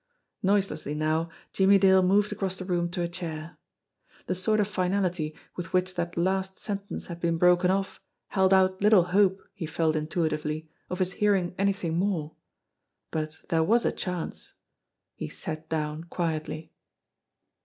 Noiselessly now Jimmie Dale moved across the room to a chair. The sort of finality with which that last sentence had been broken off held out little hope, he felt intuitively, of his hearing anything more. But there was a chance. He sat down quietly.